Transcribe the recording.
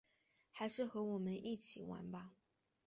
还是和我们一起来玩吧